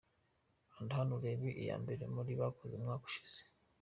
Kanda hano urebe iya mbere bari bakoze umwaka ushize .